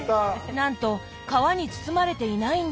なんと皮に包まれていないんです。